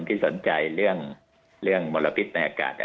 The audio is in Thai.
ที่สนใจเรื่องมลพิษในอากาศ